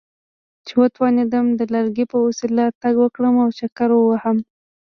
چې وتوانېدم د لرګي په وسیله تګ وکړم او چکر ووهم.